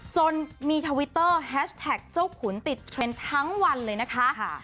จนมีทวิตเตอร์แฮชแท็กเจ้าขุนติดเทรนด์ทั้งวันเลยนะคะ